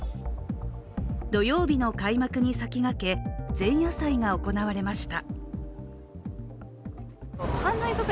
土曜日の開幕に先駆け、前夜祭が行われました。